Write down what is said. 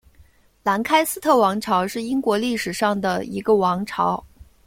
兰开斯特王朝是英国历史上的一个王朝。